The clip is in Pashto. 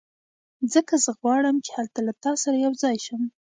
ځکه زه غواړم چې هلته له تا سره یو ځای شم